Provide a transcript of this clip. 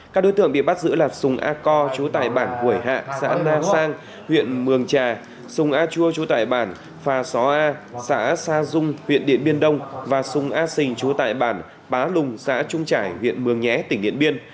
các đối tượng bị bắt giữ là sùng a co chú tài bản quẩy hạ xã na sang huyện mường trà sùng a chua chú tài bản phà só a xã sa dung huyện điện biên đông và sùng a sình chú tài bản bá lùng xã trung trải huyện mường nhé tỉnh điện biên